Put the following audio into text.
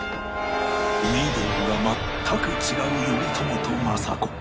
身分が全く違う頼朝と政子